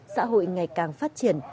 xã hội ngày càng phát triển